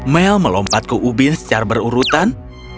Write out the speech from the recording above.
mel melompat ke ubin secara berurutan